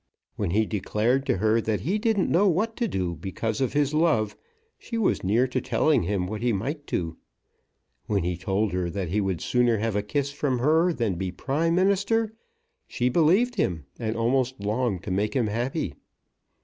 When he declared to her that he didn't know what to do because of his love, she was near to telling him what he might do. When he told her that he would sooner have a kiss from her than be Prime Minister, she believed him, and almost longed to make him happy.